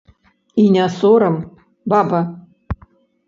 І не сорам, баба!